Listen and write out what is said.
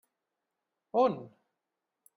On?